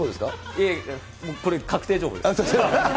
いえ、もうこれ確定情報です。